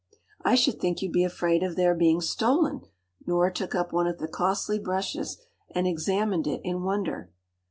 ” “I should think you’d be afraid of their being stolen!” Nora took up one of the costly brushes, and examined it in wonder.